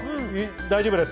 大丈夫です。